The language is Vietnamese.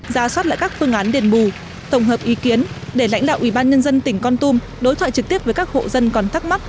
ra soát lại các phương án đền bù tổng hợp ý kiến để lãnh đạo ủy ban nhân dân tỉnh con tum đối thoại trực tiếp với các hộ dân còn thắc mắc